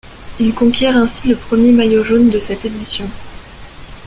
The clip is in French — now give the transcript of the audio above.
Il conquiert ainsi le premier maillot jaune de cette édition.